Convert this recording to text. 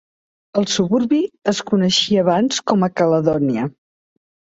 El suburbi es coneixia abans com a "Caledonia".